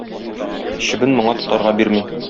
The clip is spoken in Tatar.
Чебен моңа тотарга бирми.